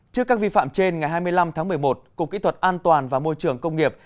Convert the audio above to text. trước các vi phạm trên ngày hai mươi năm tháng một mươi một cục kỹ thuật an toàn và môi trường công nghiệp